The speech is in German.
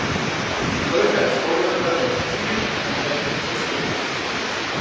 Sie gilt heute als Vorläufer der psychischen Krankheit Depression.